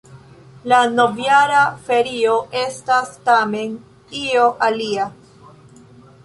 La novjara ferio estas tamen io alia.